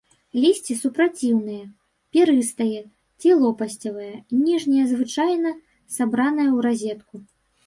Лісце супраціўнае, перыстае ці лопасцевае, ніжняе звычайна сабранае ў разетку.